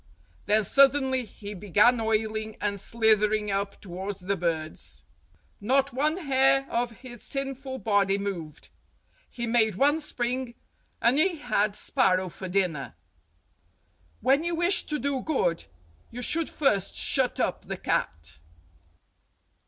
Then slowly he began oiling and slithering up towards the birds. Not one hair of his sinful body moved. He made one spring, and he had sparrow for dinner. When you wish to do good, you should first shut up the cat.